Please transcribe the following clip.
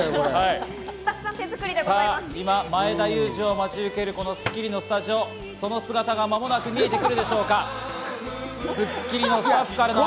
前田裕二を待ち受ける『スッキリ』のスタジオ、その姿が見えてくるでしょうか。